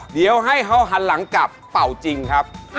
เดี๋ยวให้เขาหันหลังกลับเป่าจริงครับ